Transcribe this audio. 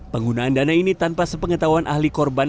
penggunaan dana ini tanpa sepengetahuan ahli korban